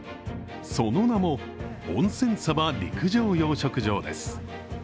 その名も温泉サバ陸上養殖場です。